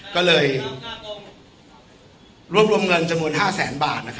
ก็เลยรวบรวมเงินจำนวน๕แสนบาท